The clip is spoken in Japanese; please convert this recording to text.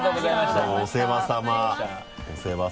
どうもお世話さま。